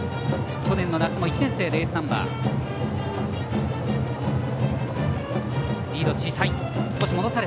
去年の夏も１年生でエースナンバー。